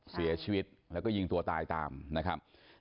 เสียชีวิตแล้วก็ยิงตัวตายตามนะครับ